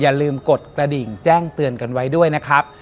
อย่าลืมกดกระดิ่งแจ้งเตือนกันไว้ด้วยนะครับ